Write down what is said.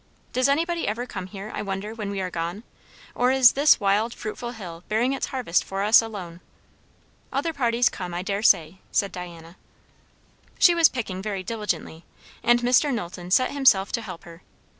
Does anybody ever come here, I wonder, when we are gone? or is this wild fruitful hill bearing its harvest for us alone?" "Other parties come, I daresay," said Diana. She was picking diligently, and Mr. Knowlton set himself to help her.